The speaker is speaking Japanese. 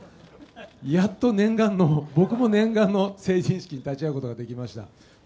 やっと念願の、僕も念願の成人式に立ち会うことができました。